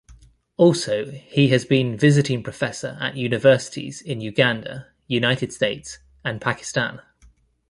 Also, he has been visiting professor at universities in Uganda, United States and Pakistan.